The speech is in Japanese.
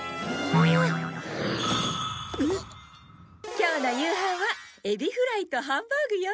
今日の夕飯はエビフライとハンバーグよ。